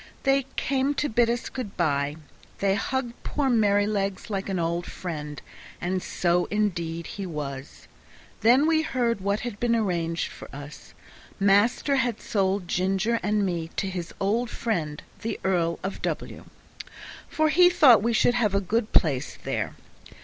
They came to bid us good by. They hugged poor Merrylegs like an old friend, and so indeed he was. Then we heard what had been arranged for us. Master had sold Ginger and me to his old friend, the Earl of W , for he thought we should have a good place there.